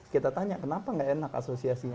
kita tanya kenapa gak enak asosiasinya